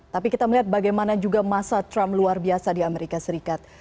tapi kita melihat bagaimana juga masa trump luar biasa di amerika serikat